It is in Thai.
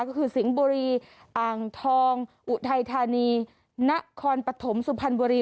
ก็คือสิงห์บุรีอ่างทองอุทัยธานีนครปฐมสุพรรณบุรี